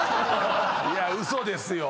いや嘘ですよ。